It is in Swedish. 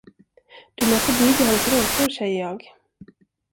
Du låter bli hans rosor, säger jag!